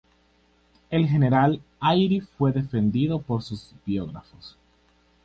En general, Airy fue defendido por sus biógrafos.